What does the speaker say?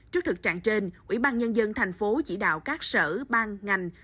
trước thực trạng trên ủy ban nhân dân tp hcm chỉ đạo các sở bang ngành